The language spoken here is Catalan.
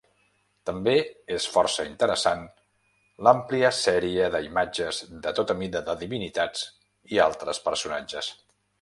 També és força interessant l'àmplia sèrie d'imatges de tota mida de divinitats i altres personatges.